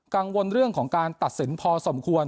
กังวลเรื่องของการตัดสินพอสมควร